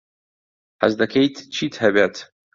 حەز دەکەیت چیت هەبێت؟